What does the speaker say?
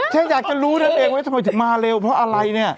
ฉันอยากจะรู้นั่นเองว่าทำไมถึงมาเร็วเพราะอะไรเนี่ย